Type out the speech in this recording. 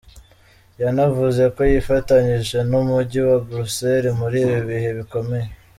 Yanavuze ko yifatanyije n’Umujyi wa Buruseli muri ibi bihe bikomeye.